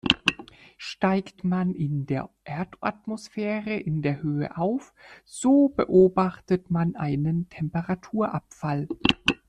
Steigt man in der Erdatmosphäre in der Höhe auf, so beobachtet man einen Temperaturabfall.